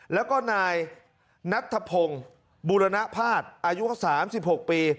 แล้วก็นายนัทธพงศ์บุรณภาษณ์อายุ๓๖ปี